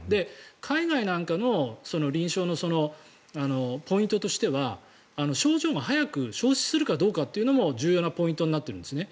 海外なんかの臨床のポイントとしては症状が早く消失するかどうかというのも重要なポイントになっているんですね。